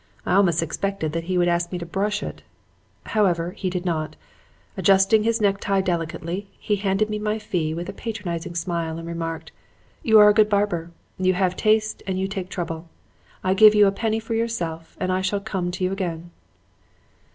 I almost expected that he would ask me to brush it. However, he did not. Adjusting his necktie delicately, he handed me my fee with a patronizing smile and remarked, 'You are a good barber: you have taste and you take trouble. I give you a penny for yourself and I shall come to you again.'